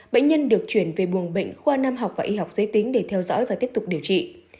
bệnh nhân được chuyển về buồng bệnh khoa nam học và y học giới tính để theo dõi và tiếp tục điều trị